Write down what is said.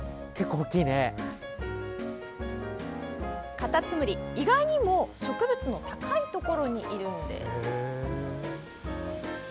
カタツムリ、意外にも植物の高いところにいるんです。